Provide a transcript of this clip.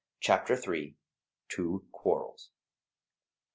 CHAPTER III. TWO QUARRELS.